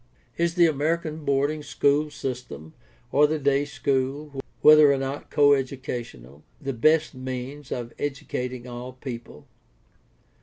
Is the American boarding school system, or the day school, whether or not coeducational, the best means of educating all people